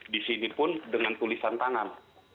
di sini pun dengan tulisan tangan